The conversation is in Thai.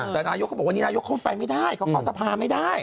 แต่วันนี้นายุคเขาไปไม่ได้เขาขอสภาไม่ได้